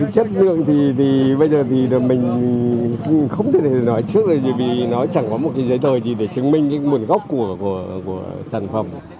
chất lượng thì bây giờ thì mình không thể nói trước là gì vì nó chẳng có một cái giấy tờ gì để chứng minh cái nguồn gốc của sản phẩm